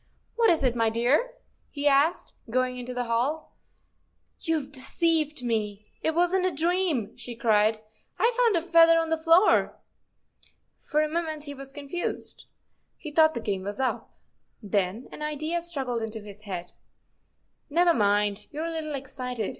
What is it, my dear? " he asked, going into the hall. " You've deceived me, it wasn't a dream," she cried ; I've found a feather on the floor! " For a moment he was confused. He thought the game was up. Then an idea struggled into his head. " Never mind; you 're a little excited.